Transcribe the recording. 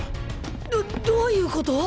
どどういうコト！？